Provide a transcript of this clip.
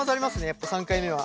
やっぱ３回目は。